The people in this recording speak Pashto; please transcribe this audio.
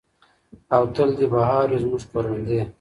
او تل دې بہار وي زموږ کروندې.